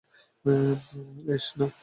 এইস, না!